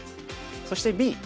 そしてＢ。